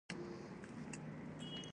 فرید له ما سره را کښته شو، له فرید څخه مې.